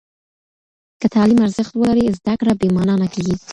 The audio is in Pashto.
که تعلیم ارزښت ولري، زده کړه بې معنا نه کېږي.